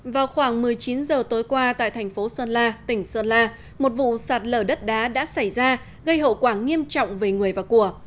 vào khoảng một mươi chín h tối qua tại thành phố sơn la tỉnh sơn la một vụ sạt lở đất đá đã xảy ra gây hậu quả nghiêm trọng về người và của